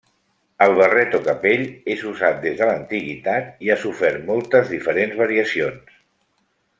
El barret o capell és usat des de l'antiguitat i ha sofert molt diferents variacions.